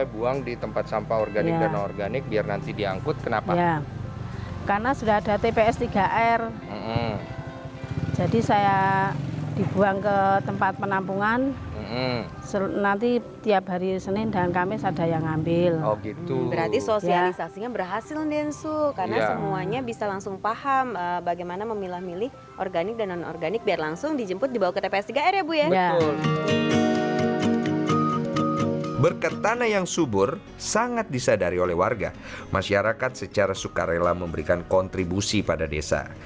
berketanai yang subur sangat disadari oleh warga masyarakat secara sukarela memberikan kontribusi pada desa